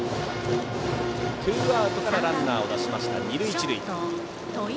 ツーアウトからランナーを出して二塁一塁。